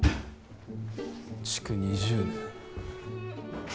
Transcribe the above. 築２０年。